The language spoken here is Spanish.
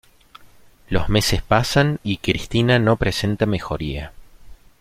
Los meses pasan, y Cristina no presenta mejoría.